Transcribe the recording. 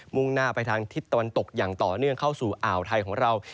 ่งหน้าไปทางทิศตะวันตกอย่างต่อเนื่องเข้าสู่อ่าวไทยของเรา